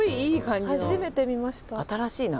新しいな。